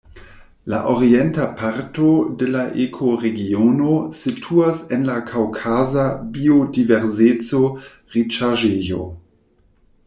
La orienta parto de la ekoregiono situas en la kaŭkaza biodiverseco-riĉaĵejo.